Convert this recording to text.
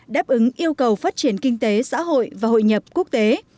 đáp ứng yêu cầu phát triển kinh tế xã hội và hội nhập quốc tế